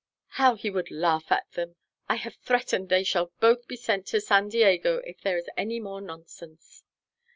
How he would laugh at them! I have threatened they shall both be sent to San Diego if there is any more nonsense."